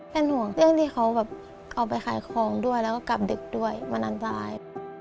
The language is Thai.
เป็นห่วงเรื่องที่เขาแบบเอาไปขายของด้วยแล้วก็กลับดึกด้วยมันอันตราย